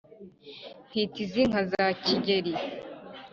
Nkita izi nka za Kigeli,